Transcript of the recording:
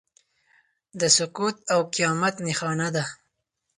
د سقوط او قیامت نښانه ده.